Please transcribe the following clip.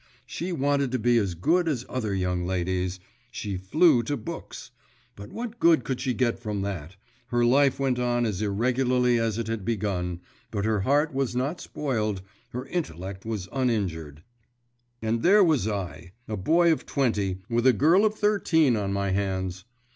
She wanted to be as good as other young ladies; she flew to books. But what good could she get from that? Her life went on as irregularly as it had begun, but her heart was not spoiled, her intellect was uninjured. 'And there was I left, a boy of twenty, with a girl of thirteen on my hands!